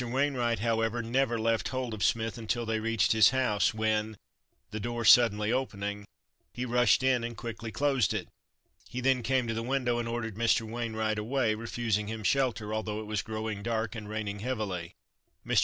Wainwright, however, never left hold of Smith until they reached his house when, the door suddenly opening, he rushed in and quickly closed it. He then came to the window and ordered Mr. Wainwright away, refusing him shelter, although it was growing dark and raining heavily. Mr.